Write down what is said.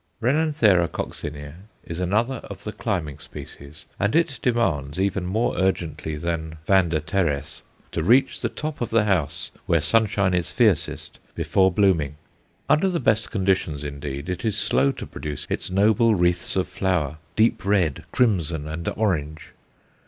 R. coccinea is another of the climbing species, and it demands, even more urgently than V. teres, to reach the top of the house, where sunshine is fiercest, before blooming. Under the best conditions, indeed, it is slow to produce its noble wreaths of flower deep red, crimson, and orange.